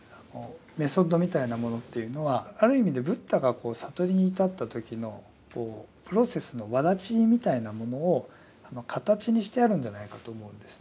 メソッドみたいなものっていうのはある意味でブッダが悟りに至った時のプロセスの轍みたいなものを形にしてあるんじゃないかと思うんですね。